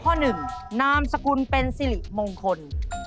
หนึ่งนามสกุลเป็นสิริมงคล